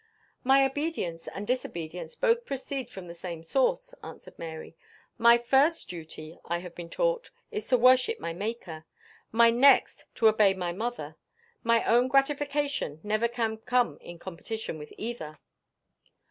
"My obedience and disobedience both proceed from the same source," answered Mary. "My first duty, I have been taught, is to worship my Maker my next to obey my mother. My own gratification never can come in competition with either."